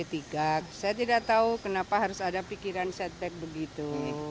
saya tidak tahu kenapa harus ada pikiran setback begitu